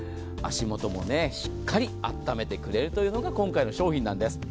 足元もしっかりあっためてくれるのが今回の商品なんです。